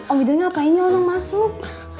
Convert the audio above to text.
om idoi ngapain ya orang masuk